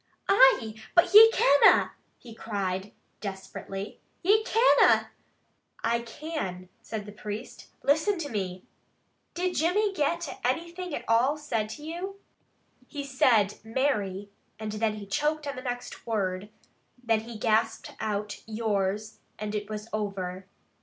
"Aye, but ye canna!" he cried desperately. "Ye canna!" "I can," said the priest. "Listen to me! Did Jimmy get anything at all said to you?" "He said, 'Mary,' then he choked on the next word, then he gasped out 'yours,' and it was over."